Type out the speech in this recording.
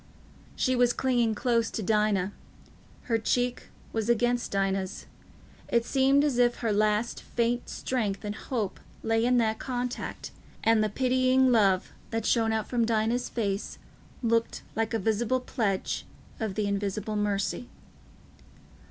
She was clinging close to Dinah; her cheek was against Dinah's. It seemed as if her last faint strength and hope lay in that contact, and the pitying love that shone out from Dinah's face looked like a visible pledge of the Invisible Mercy.